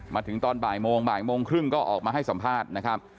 มาถึงตอนบ่ายโมงบ่ายโมงครึ่งก็ออกมาให้สัมภาษณ์นะครับ